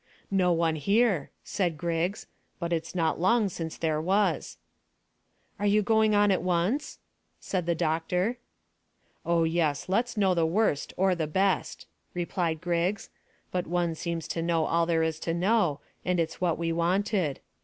"No one here," said Griggs, "but it's not long since there was." "Are you going on at once?" said the doctor. "Oh yes; let's know the worst, or the best," replied Griggs; "but one seems to know all there is to know, and it's what we wanted.